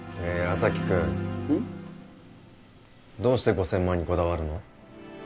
矢崎くんうん？どうして５０００万にこだわるの？